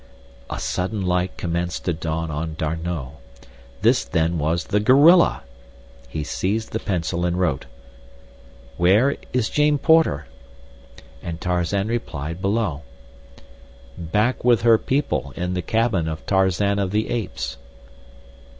A sudden light commenced to dawn on D'Arnot—this then was the "gorilla." He seized the pencil and wrote: Where is Jane Porter? And Tarzan replied, below: Back with her people in the cabin of Tarzan of the Apes.